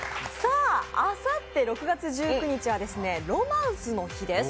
あさって６月１９日はロマンスの日です。